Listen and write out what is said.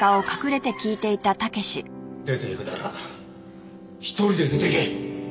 出ていくなら１人で出ていけ。